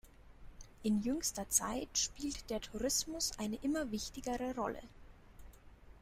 In jüngster Zeit spielt der Tourismus eine immer wichtigere Rolle.